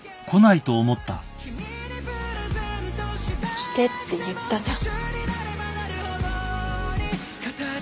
来てって言ったじゃん。